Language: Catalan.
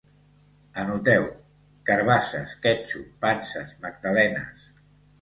Anoteu: carabasses, quètxup, panses, magdalenes